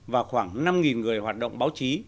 và khoảng năm người hoạt động báo chí